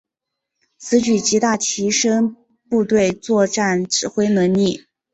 此举极大提升部队作战指挥能力。